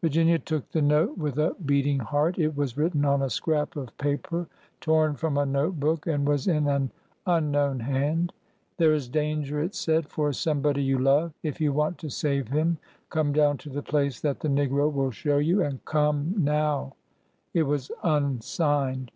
Virginia took the note with a beating heart. It was written on a scrap of paper torn from a note book, and was in an unknown hand. " There is danger," it said, for somebody you love. If you want to save him, come down to the place that the negro will show you, and come now/^ It was unsigned.